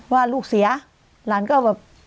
ว่าลูกเสียหลานก็แบบ